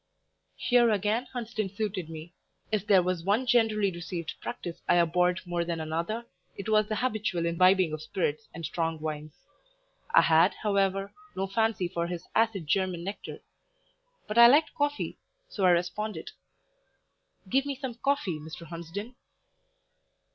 Here again Hunsden suited me: if there was one generally received practice I abhorred more than another, it was the habitual imbibing of spirits and strong wines. I had, however, no fancy for his acid German nectar, but I liked coffee, so I responded "Give me some coffee, Mr. Hunsden."